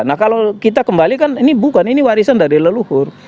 nah kalau kita kembalikan ini bukan ini warisan dari leluhur